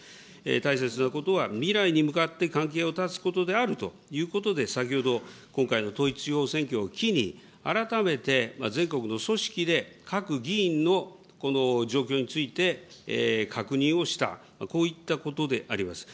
大切なことは、未来に向かって関係を断つことであるということで、先ほど、今回の統一地方選挙を機に、改めて全国の組織で各議員のこの状況について確認をした、こういったことであります。